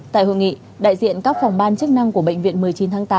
tại hội nghị đại diện các phòng ban chức năng của bệnh viện một mươi chín tháng tám